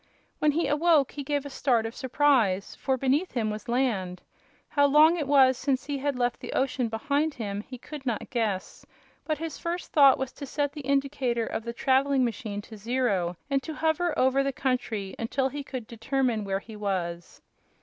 When he awoke he gave a start of surprise, for beneath him was land. How long it was since he had left the ocean behind him he could not guess, but his first thought was to set the indicator of the traveling machine to zero and to hover over the country until he could determine where he was.